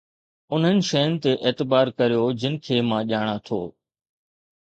انهن شين تي اعتبار ڪريو جن کي مان ڄاڻان ٿو